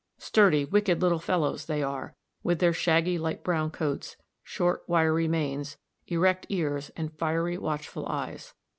Sturdy wicked little fellows they are, with their shaggy light brown coats, short wiry manes, erect ears, and fiery watchful eyes.